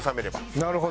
なるほど。